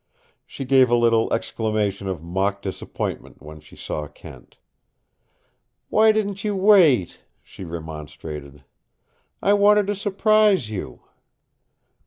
She gave a little exclamation of mock disappointment when she saw Kent. "Why didn't you wait?" she remonstrated. "I wanted to surprise you."